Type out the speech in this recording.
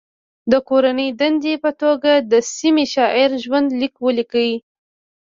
د کورنۍ دندې په توګه د سیمې د شاعر ژوند لیک ولیکئ.